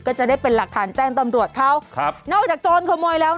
ก็จะได้เป็นหลักฐานแจ้งตำรวจเขาครับนอกจากโจรขโมยแล้ว